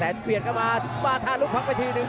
แบบรหาทะลุงปรันมาทีหนึ่ง